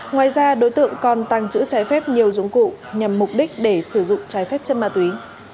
ngoài ra đối tượng còn tăng trữ trái phép nhiều dụng cụ nhằm mục đích để sử dụng trái phép chất ma túy